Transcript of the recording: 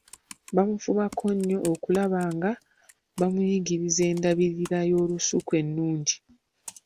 Bamufubako nnyo okulaba nga bamuyigiriza endabirira y'olusuku ennungi.